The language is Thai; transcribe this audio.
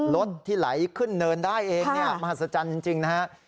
รถที่ไหลขึ้นเนินได้เองเนี่ยมหัศจรรย์จริงนะฮะ